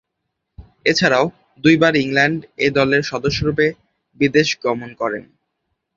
এছাড়াও, দুইবার England A দলের সদস্যরূপে বিদেশ গমন করেন।